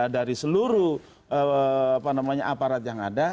dari seluruh apa namanya aparat yang ada